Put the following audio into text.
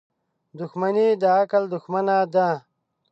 • دښمني د عقل دښمنه ده.